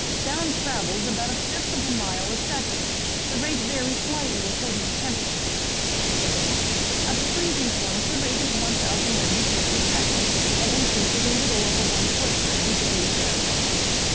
"Sound travels about a fifth of a mile a second. The rate varies slightly according to temperature," explained Linane. "At the freezing point the rate is 1,090 feet per second and increases a little over one foot for every degree Fahrenheit."